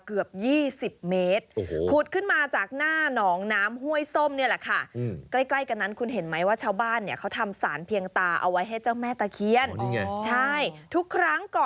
เกือบ๒๐เมตร